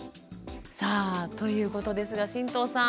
さあということですが神藤さん。